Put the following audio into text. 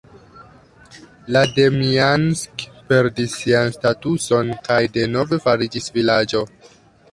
La Demjansk perdis sian statuson kaj denove fariĝis vilaĝo.